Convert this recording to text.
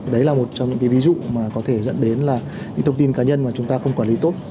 đấy là một trong những cái ví dụ mà có thể dẫn đến là những thông tin cá nhân mà chúng ta không quản lý tốt